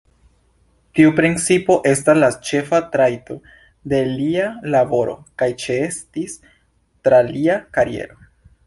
Tiu principo estas la ĉefa trajto de lia laboro kaj ĉeestis tra lia kariero.